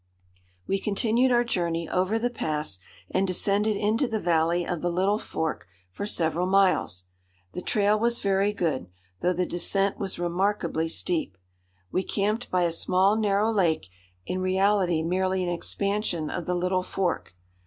We continued our journey over the pass and descended into the valley of the Little Fork for several miles. The trail was very good, though the descent was remarkably steep. We camped by a small narrow lake, in reality merely an expansion of the Little Fork.